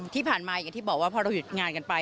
อย่างที่บอกว่าพอเราหยุดงานกันไป